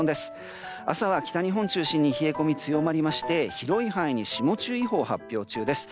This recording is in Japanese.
朝は北日本を中心に冷え込みが強まりまして広い範囲に霜注意報が発表中です。